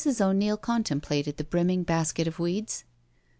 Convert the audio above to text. O'Neil contemplated the brinuning basket of weeds.